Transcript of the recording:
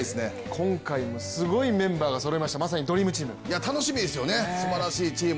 今回もすごいメンバーがそろいました、まさにドリームチーム。